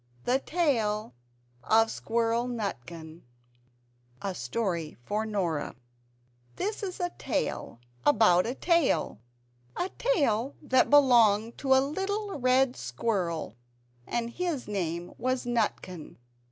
THE TALE OF SQUIRREL NUTKIN [A Story for Norah] This is a Tale about a tail a tail that belonged to a little red squirrel, and his name was Nutkin.